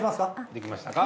できましたか？